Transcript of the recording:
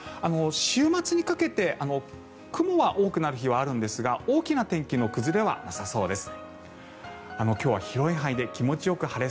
週末にかけて雲は多くなる日はあるんですが大きな天気の崩れはなさそうです。